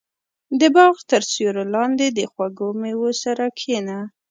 • د باغ تر سیوري لاندې د خوږو مېوو سره کښېنه.